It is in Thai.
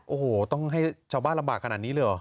โอ้โหต้องให้ชาวบ้านลำบากขนาดนี้เลยเหรอ